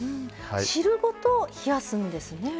汁ごと冷やすんですね。